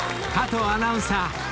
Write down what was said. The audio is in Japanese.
［加藤アナウンサー